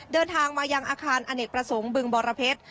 เดินทางมายังอาคารอเนกประสงค์บึงบรเพชร